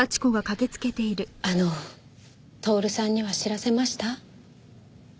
あの享さんには知らせました？